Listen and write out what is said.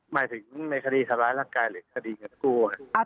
หมายถึงในคดีทำร้ายร่างกายหรือคดีเงินกู้